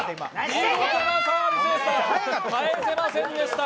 見事なサービスでした。